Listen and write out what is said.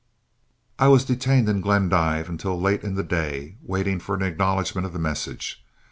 I was detained in Glendive until late in the day, waiting for an acknowledgment of the message.